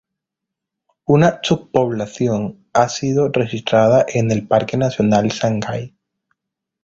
Una subpoblación ha sido registrada en el Parque nacional Sangay.